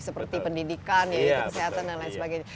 seperti pendidikan kesehatan dan lain sebagainya